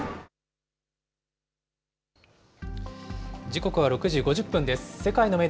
時刻は６時５０分です。